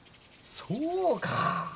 そうか。